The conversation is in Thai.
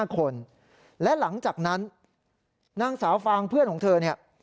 ๕คนและหลังจากนั้นนางสาวฟางเพื่อนของเธอเนี่ย